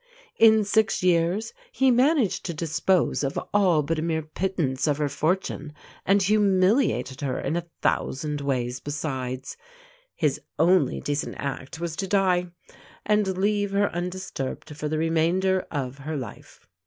In six years he managed to dispose of all but a mere pittance of her fortune, and humiliated her in a thousand ways besides. His only decent act was to die and leave her undisturbed for the remainder of her life.